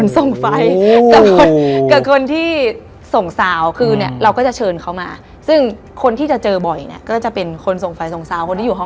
แต่ถ้าสมมุติว่าสมมุติ